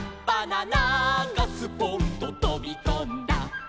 「バナナがスポンととびこんだ」